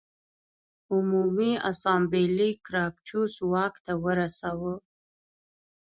عمومي اسامبلې ګراکچوس واک ته ورساوه